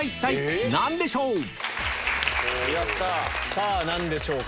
さぁ何でしょうか？